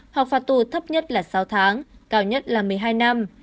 hoặc phạt tù thấp nhất là sáu tháng cao nhất là một mươi hai năm